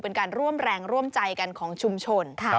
เป็นการร่วมแรงร่วมใจกันของชุมชน